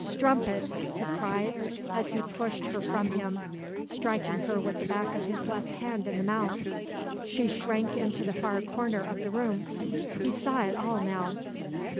"Strumpet!" he cried, as he pushed her from him, striking her with the back of his left hand in the mouth. She shrank into the far corner of the room. He saw it all now.